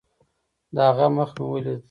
د هغه مخ مې وليد.